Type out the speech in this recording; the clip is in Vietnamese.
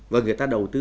và người ta đầu tư